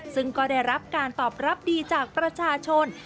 ซึ่งก็ได้รับการตอบรับดีจากประชาชน